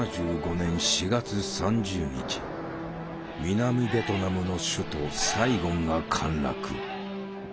南ベトナムの首都サイゴンが陥落。